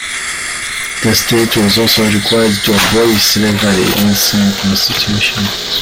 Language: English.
The state was also required to abolish slavery in its new constitution.